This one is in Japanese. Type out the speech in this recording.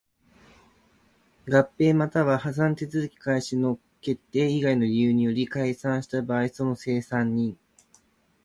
合併又は破産手続開始の決定以外の理由により解散した場合その清算人